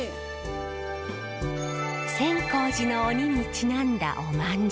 全興寺の鬼にちなんだおまんじゅう。